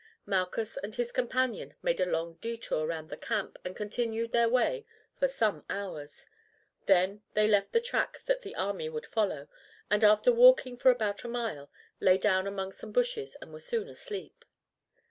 Malchus and his companion made a long detour round the camp and continued their way for some hours, then they left the track that the army would follow, and, after walking for about a mile, lay down among some bushes and were soon asleep.